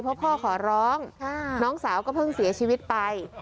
เพราะพ่อขอร้องน้องสาวก็เพิ่งเสียชีวิตไป